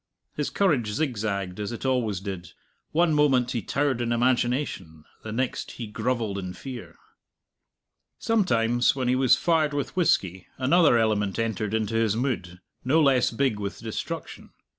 His courage zigzagged, as it always did; one moment he towered in imagination, the next he grovelled in fear. Sometimes, when he was fired with whisky, another element entered into his mood, no less big with destruction.